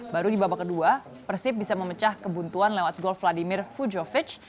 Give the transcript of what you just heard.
baru di babak kedua persib bisa memecah kebuntuan lewat gol vladimir fujovic